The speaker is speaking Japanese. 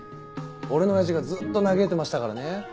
俺の親父がずっと嘆いてましたからね。